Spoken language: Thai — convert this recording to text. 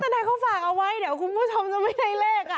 นักษัตริย์ไหนเขาฝากเอาไว้